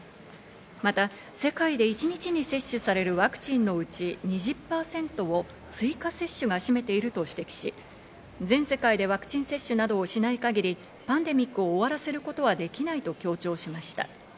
また世界で一日に接種されるワクチンのうち２０％を追加接種が占めていると指摘し、全世界でワクチン接種などをしない限りパンデミックを終わらせることはできないと強調しました。